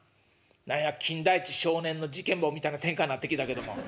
何や『金田一少年の事件簿』みたいな展開になってきたけども」。